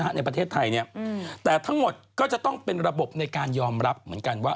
ในประเทศไทยแต่ทั้งหมดก็จะต้องเป็นระบบในการยอมรับเหมือนกันว่า